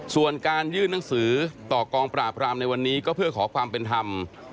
ส่วนการยื่นหนังสือต่อกองปราบรามในวันนี้ก็เพื่อขอความเป็นธรรม